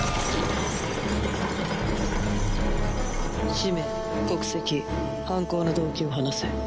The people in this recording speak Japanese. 氏名国籍犯行の動機を話せ。